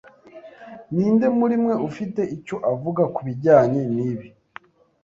Ninde muri mwe ufite icyo avuga kubijyanye nibi?